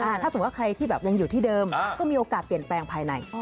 ถ้าสมมุติว่าใครที่แบบยังอยู่ที่เดิมก็มีโอกาสเปลี่ยนแปลงภายใน